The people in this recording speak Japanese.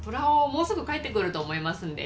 もうすぐ帰ってくると思いますんで。